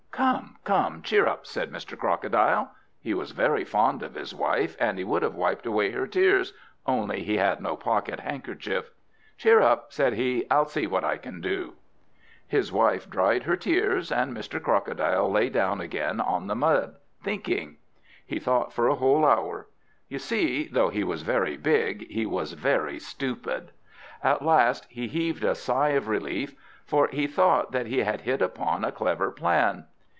"Come, come, cheer up," said Mr. Crocodile. He was very fond of his wife, and he would have wiped away her tears, only he had no pocket handkerchief. "Cheer up!" said he; "I'll see what I can do." His wife dried her tears, and Mr. Crocodile lay down again on the mud, thinking. He thought for a whole hour. You see, though he was very big, he was very stupid. At last he heaved a sigh of relief, for he thought he had hit upon a clever plan.